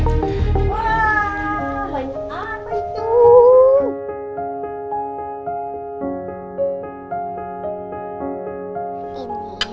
wah banyak apa itu